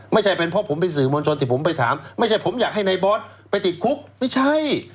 ไม่ใช่เป็นเพราะผมเป็นสื่อมวลชนที่ผมไปถามไม่ใช่ผมอยากให้ในบอสไปติดคุกไม่ใช่